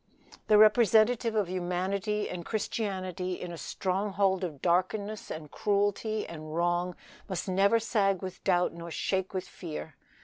The representative of humanity and Christianity in a stronghold of darkness and cruelty and wrong must never sag with doubt nor shake with fear.